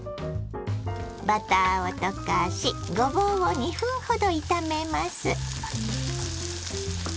バターを溶かしごぼうを２分ほど炒めます。